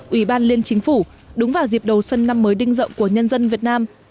ủy ban liên chính phủ đúng vào dịp đầu xuân năm mới đinh rộng của nhân dân việt nam